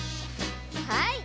はい！